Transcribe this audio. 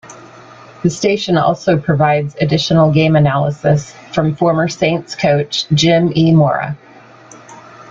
The station also provides additional game analysis from former Saints coach Jim E. Mora.